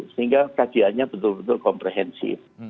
sehingga kajiannya betul betul komprehensif